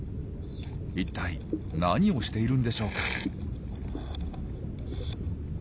一体何をしているんでしょうか？